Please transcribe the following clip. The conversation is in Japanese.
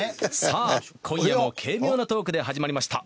「さあ今夜も軽妙なトークで始まりました